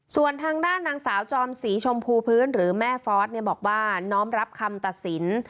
ส่วนทางด้านนางสาวจอมศรีชมพูพื้นหรือแม่ฟอสบอกว่าน้อมรับคำตัดสิน